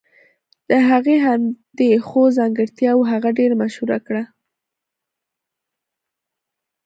د هغې همدې ښو ځانګرتياوو هغه ډېره مشهوره کړه.